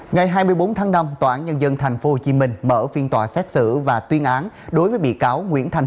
ngày hai mươi bốn tháng năm tòa án nhân dân tp hcm mở phiên tòa xét xử và tuyên án đối với bị cáo nguyễn thành